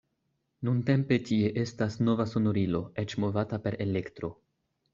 Nuntempe tie estas nova sonorilo, eĉ movata per elektro.